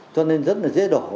cho nên rất là dễ đổ